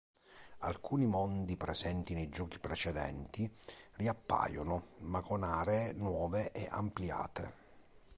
Alcuni mondi presenti nei giochi precedenti riappaiono, ma con aree nuove e ampliate.